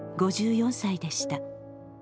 ５４歳でした。